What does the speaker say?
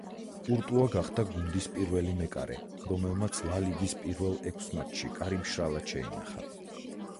კურტუა გახდა გუნდის პირველი მეკარე, რომელმაც ლა ლიგის პირველ ექვს მატჩში კარი მშრალად შეინახა.